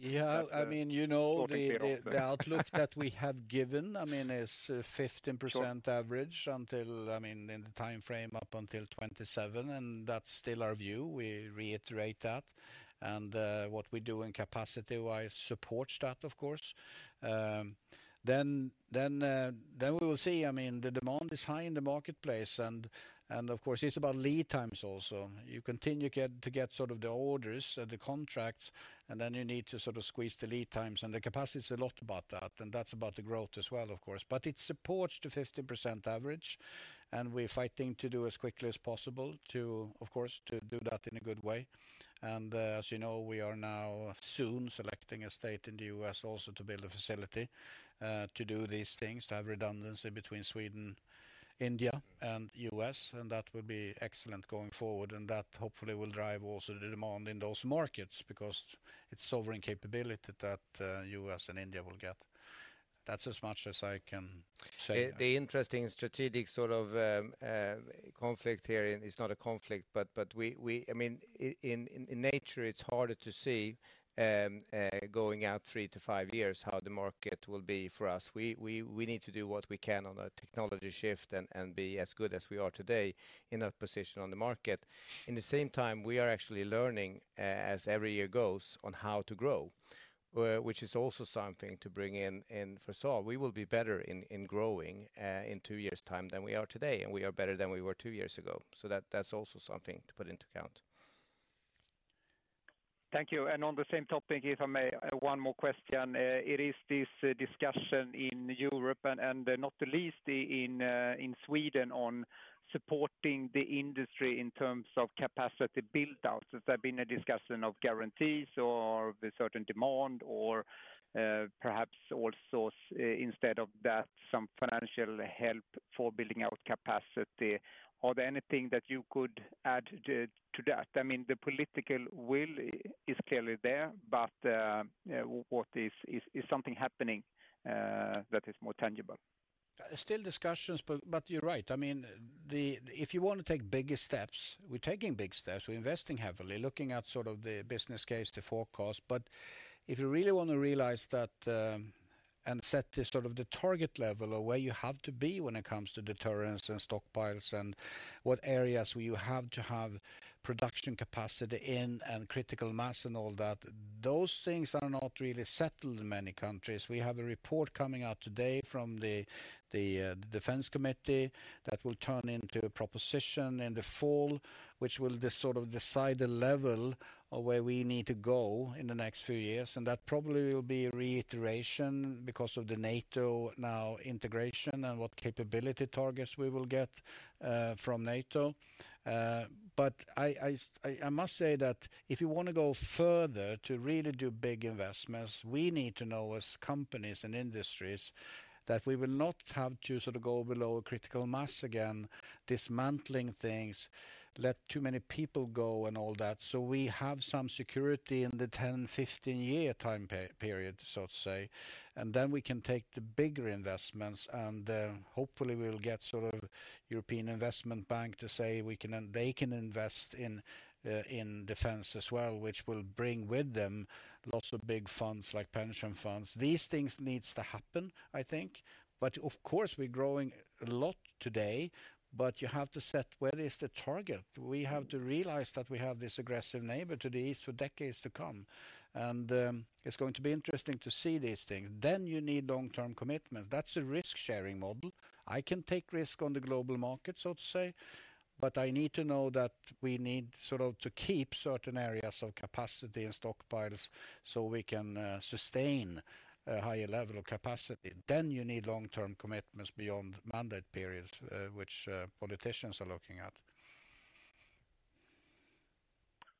Yeah, I mean, you know-… Starting here. The outlook that we have given, I mean, is 15%- Sure Average until, I mean, in the time frame, up until 27%, and that's still our view. We reiterate that. And what we do in capacity-wise supports that, of course. Then we will see, I mean, the demand is high in the marketplace, and of course, it's about lead times also. You continue to get sort of the orders and the contracts, and then you need to sort of squeeze the lead times, and the capacity is a lot about that, and that's about the growth as well, of course. But it supports the 15% average, and we're fighting to do as quickly as possible to, of course, to do that in a good way. As you know, we are now soon selecting a state in the U.S. also to build a facility, to do these things, to have redundancy between Sweden, India, and U.S., and that will be excellent going forward. That hopefully will drive also the demand in those markets, because it's sovereign capability that, U.S. and India will get. That's as much as I can say. The interesting strategic sort of conflict here, and it's not a conflict, but we... I mean, in nature, it's harder to see going out three to five years, how the market will be for us. We need to do what we can on a technology shift and be as good as we are today in a position on the market. In the same time, we are actually learning, as every year goes, on how to grow, which is also something to bring in for SAAB. We will be better in growing in two years' time than we are today, and we are better than we were two years ago. So that's also something to put into account. Thank you, and on the same topic, if I may, one more question. It is this discussion in Europe and not the least in Sweden, on supporting the industry in terms of capacity build-outs. There have been a discussion of guarantees or the certain demand or perhaps also, instead of that, some financial help for building out capacity. Are there anything that you could add to that? I mean, the political will is clearly there, but what is something happening that is more tangible? Still discussions, but you're right. I mean, the... If you want to take bigger steps, we're taking big steps. We're investing heavily, looking at sort of the business case, the forecast. But if you really want to realize that, and set the sort of the target level of where you have to be when it comes to deterrence and stockpiles, and what areas where you have to have production capacity in, and critical mass and all that, those things are not really settled in many countries. We have a report coming out today from the Defense Committee that will turn into a proposition in the fall, which will just sort of decide the level of where we need to go in the next few years. That probably will be reiteration because of the NATO now integration and what capability targets we will get from NATO. But I must say that if you want to go further to really do big investments, we need to know, as companies and industries, that we will not have to sort of go below critical mass again, dismantling things, let too many people go, and all that. So we have some security in the 10-15-year time period, so to say, and then we can take the bigger investments, and hopefully we'll get sort of European Investment Bank to say they can invest in defense as well, which will bring with them lots of big funds, like pension funds. These things needs to happen, I think. Of course, we're growing a lot today, but you have to set where is the target? We have to realize that we have this aggressive neighbor to the east for decades to come. It's going to be interesting to see these things. You need long-term commitment. That's a risk-sharing model. I can take risk on the global market, so to say.... But I need to know that we need sort of to keep certain areas of capacity and stockpiles so we can sustain a higher level of capacity. Then you need long-term commitments beyond mandate periods, which politicians are looking at.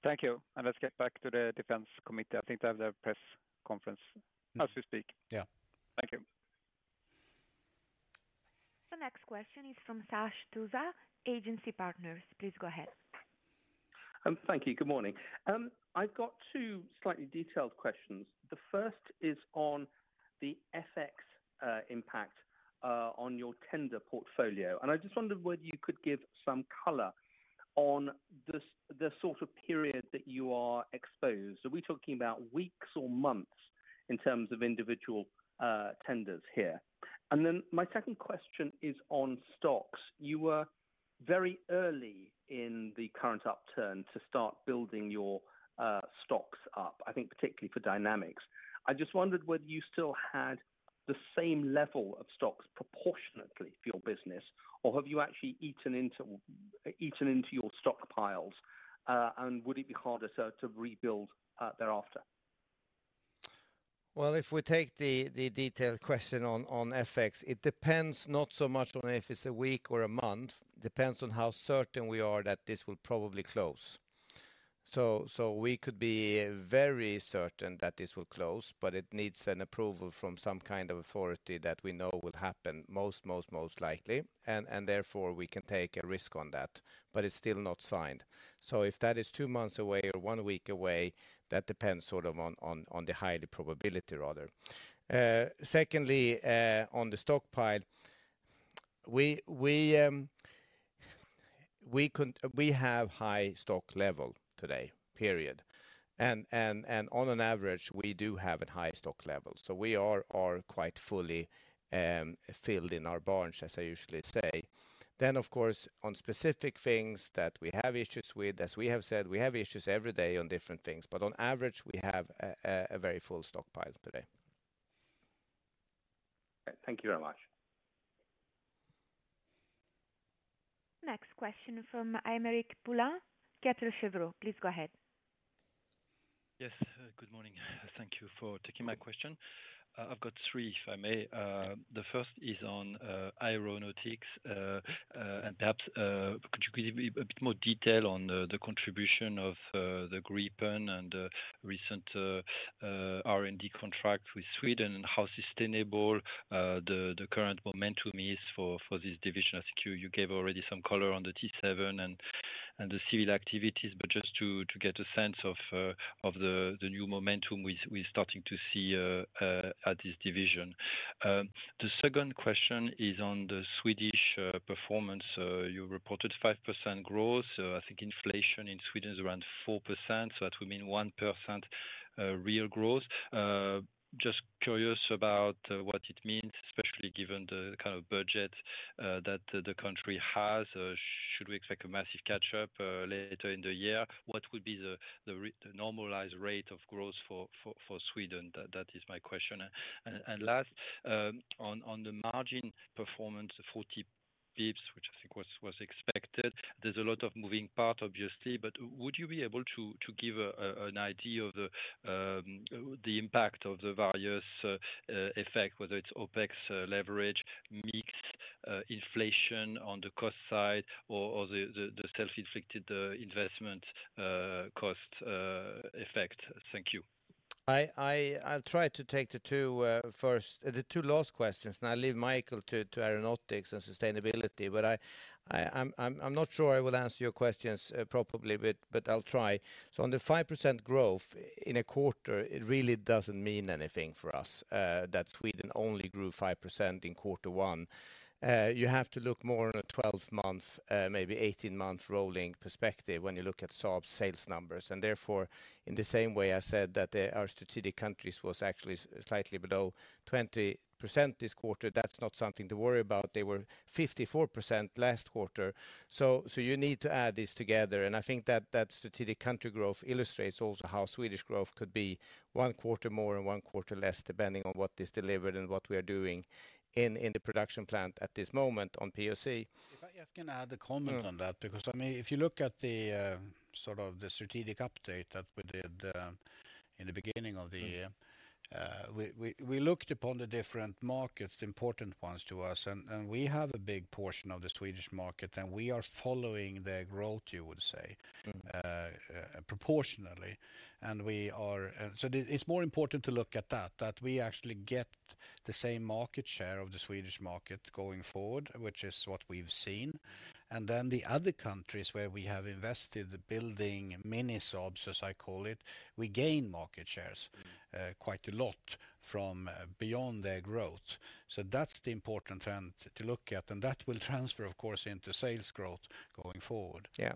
Thank you. Let's get back to the Defense Committee. I think they have their press conference as we speak. Yeah. Thank you. The next question is from Sash Tusa, Agency Partners. Please go ahead. Thank you. Good morning. I've got two slightly detailed questions. The first is on the FX impact on your tender portfolio, and I just wondered whether you could give some color on the sort of period that you are exposed. Are we talking about weeks or months in terms of individual tenders here? And then my second question is on stocks. You were very early in the current upturn to start building your stocks up, I think particularly for Dynamics. I just wondered whether you still had the same level of stocks proportionately for your business, or have you actually eaten into your stockpiles? And would it be harder, sir, to rebuild thereafter? Well, if we take the detailed question on FX, it depends not so much on if it's a week or a month, depends on how certain we are that this will probably close. So we could be very certain that this will close, but it needs an approval from some kind of authority that we know will happen most likely, and therefore, we can take a risk on that, but it's still not signed. So if that is two months away or one week away, that depends sort of on the high probability rather. Secondly, on the stockpile, we have high stock level today, period. And on an average, we do have a high stock level, so we are quite fully filled in our barns, as I usually say. Then, of course, on specific things that we have issues with, as we have said, we have issues every day on different things, but on average, we have a very full stockpile today. Thank you very much. Next question from Aymeric Poulain, Kepler Cheuvreux. Please go ahead. Yes, good morning. Thank you for taking my question. I've got three, if I may. The first is on Aeronautics, and perhaps could you give me a bit more detail on the contribution of the Gripen and recent R&D contract with Sweden, and how sustainable the current momentum is for this division? I think you gave already some color on the T-7 and the civil activities, but just to get a sense of the new momentum we're starting to see at this division. The second question is on the Swedish performance. You reported 5% growth. I think inflation in Sweden is around 4%, so that would mean 1% real growth. Just curious about what it means, especially given the kind of budget that the country has. Should we expect a massive catch-up later in the year? What would be the normalized rate of growth for Sweden? That is my question. And last, on the margin performance, 40 basis points, which I think was expected. There's a lot of moving parts, obviously, but would you be able to give an idea of the impact of the various effects, whether it's OpEx, leverage, mix, inflation on the cost side or the self-inflicted investment cost effect? Thank you. I... I'll try to take the two first, the two last questions, and I'll leave Micael to Aeronautics and sustainability. But I'm not sure I will answer your questions properly, but I'll try. So on the 5% growth in a quarter, it really doesn't mean anything for us that Sweden only grew 5% in quarter one. You have to look more on a 12-month, maybe 18-month rolling perspective when you look at Saab's sales numbers. And therefore, in the same way, I said that our strategic countries was actually slightly below 20% this quarter. That's not something to worry about. They were 54% last quarter. You need to add this together, and I think that strategic country growth illustrates also how Swedish growth could be one quarter more and one quarter less, depending on what is delivered and what we are doing in the production plant at this moment on POC. If I can add a comment on that- Mm-hmm. Because, I mean, if you look at the sort of the strategic update that we did in the beginning of the year, we looked upon the different markets, the important ones to us, and we have a big portion of the Swedish market, and we are following their growth, you would say- Mm-hmm... proportionately, and we are... So it, it's more important to look at that, that we actually get the same market share of the Swedish market going forward, which is what we've seen. And then the other countries where we have invested, building mini Saabs, as I call it, we gain market shares- Mm-hmm... quite a lot from beyond their growth. So that's the important trend to look at, and that will transfer, of course, into sales growth going forward. Yeah.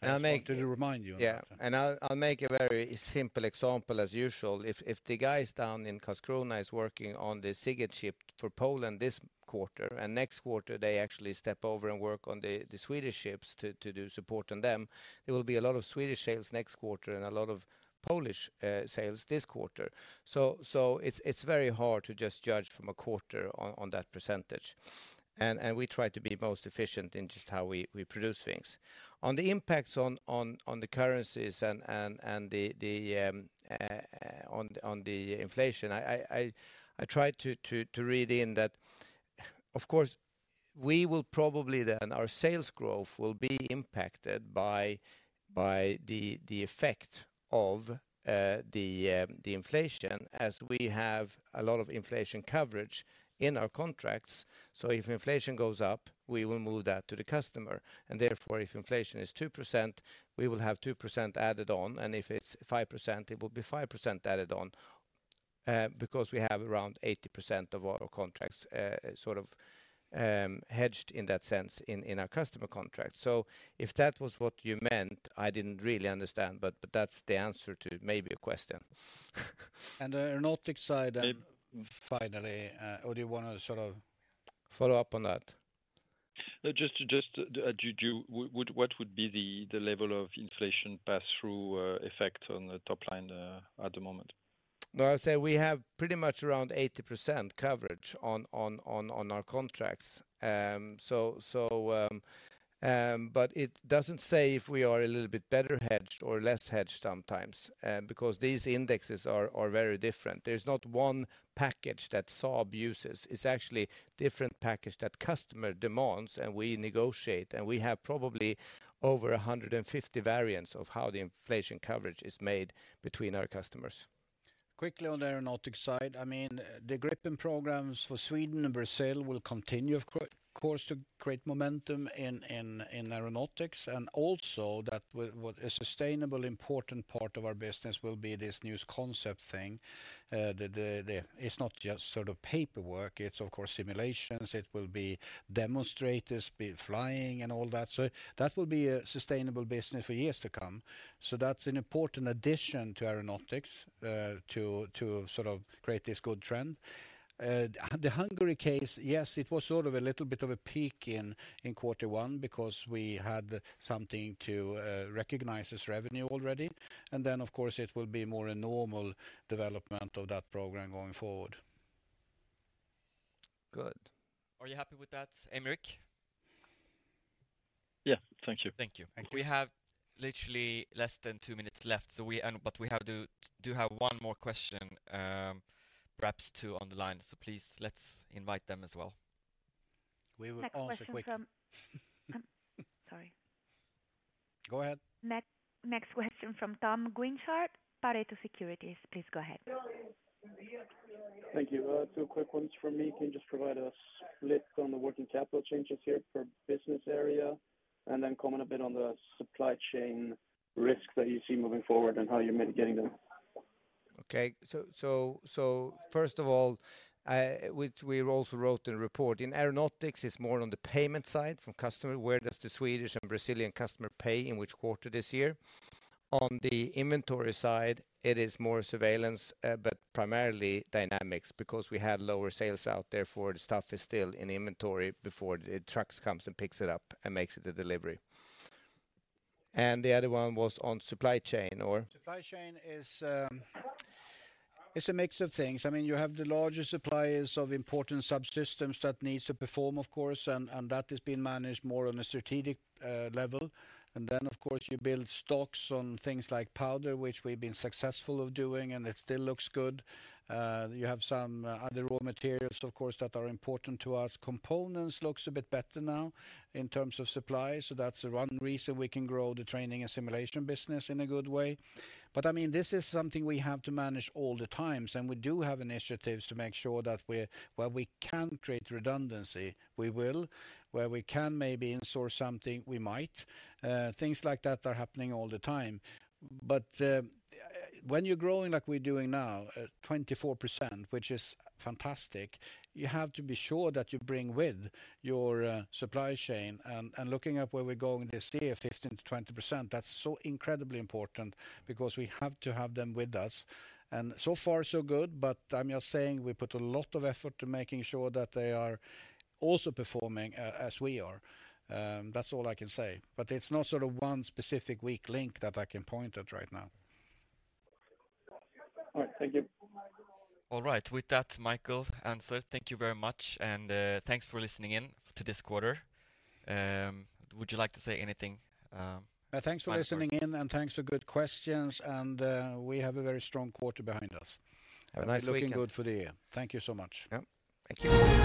And I'll make- To remind you on that. Yeah, and I'll make a very simple example, as usual. If the guys down in Karlskrona is working on the SIGINT ship for Poland this quarter, and next quarter they actually step over and work on the Swedish ships to do support on them, there will be a lot of Swedish sales next quarter and a lot of Polish sales this quarter. So it's very hard to just judge from a quarter on that percentage... And we try to be most efficient in just how we produce things. On the impacts on the currencies and the inflation, I tried to read in that, of course, we will probably then our sales growth will be impacted by the effect of the inflation as we have a lot of inflation coverage in our contracts. So if inflation goes up, we will move that to the customer, and therefore, if inflation is 2%, we will have 2% added on, and if it's 5%, it will be 5% added on, because we have around 80% of our contracts sort of hedged in that sense in our customer contracts. So if that was what you meant, I didn't really understand, but that's the answer to maybe your question. The Aeronautics side, finally, or do you wanna sort of follow up on that? No, just what would be the level of inflation pass-through effect on the top line at the moment? Well, I say we have pretty much around 80% coverage on our contracts. But it doesn't say if we are a little bit better hedged or less hedged sometimes, because these indexes are very different. There's not one package that Saab uses. It's actually different package that customer demands, and we negotiate, and we have probably over 150 variants of how the inflation coverage is made between our customers. Quickly, on the Aeronautics side, I mean, the Gripen programs for Sweden and Brazil will continue, of course, to create momentum in Aeronautics, and also what a sustainable, important part of our business will be this news concept thing. It's not just sort of paperwork, it's of course simulations. It will be demonstrators, be flying and all that. So that will be a sustainable business for years to come. So that's an important addition to Aeronautics, to sort of create this good trend. The Hungary case, yes, it was sort of a little bit of a peak in quarter one because we had something to recognize as revenue already. And then, of course, it will be more a normal development of that program going forward. Good. Are you happy with that, Aymeric? Yeah. Thank you. Thank you. Thank you. We have literally less than two minutes left, so we have to do have one more question, perhaps two on the line, so please, let's invite them as well. We will answer quick. Next question from... Sorry. Go ahead. Next question from Tom Guinchard, Pareto Securities. Please go ahead. Thank you. Two quick ones from me. Can you just provide a split on the working capital changes here per business area? And then comment a bit on the supply chain risk that you see moving forward and how you're mitigating them. Okay. So first of all, which we also wrote in the report, in Aeronautics, it's more on the payment side from customer, where does the Swedish and Brazilian customer pay, in which quarter this year? On the inventory side, it is more Surveillance, but primarily Dynamics, because we had lower sales out there, therefore, the stuff is still in inventory before the trucks comes and picks it up and makes it a delivery. And the other one was on supply chain, or? Supply chain is, it's a mix of things. I mean, you have the larger suppliers of important subsystems that needs to perform, of course, and, and that is being managed more on a strategic level. And then, of course, you build stocks on things like powder, which we've been successful of doing, and it still looks good. You have some other raw materials, of course, that are important to us. Components looks a bit better now in terms of supply, so that's one reason we can grow the Training & Simulation business in a good way. But, I mean, this is something we have to manage all the times, and we do have initiatives to make sure that we're, where we can create redundancy, we will. Where we can maybe in-source something, we might. Things like that are happening all the time. But, when you're growing like we're doing now, at 24%, which is fantastic, you have to be sure that you bring with your supply chain. And looking at where we're going this year, 15%-20%, that's so incredibly important because we have to have them with us, and so far, so good. But I'm just saying, we put a lot of effort to making sure that they are also performing as we are. That's all I can say, but there's no sort of one specific weak link that I can point at right now. All right. Thank you. All right. With that, Micael answer, thank you very much, and thanks for listening in to this quarter. Would you like to say anything final? Thanks for listening in, and thanks for good questions, and we have a very strong quarter behind us. Have a nice weekend. Looking good for the year. Thank you so much. Yep. Thank you.